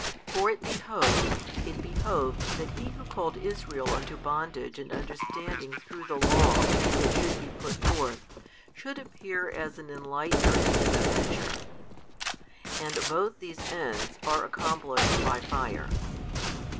For it behoved, it behoved that He Who called Israel unto bondage and understanding through the law that should be put forth, should appear as an Enlightener and an Avenger. |299 And both these ends are accomplished by fire.